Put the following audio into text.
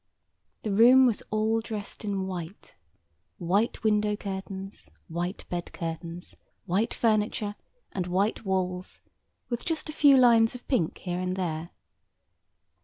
The room was all dressed in white,—white window curtains, white bed curtains, white furniture, and white walls, with just a few lines of pink here and there.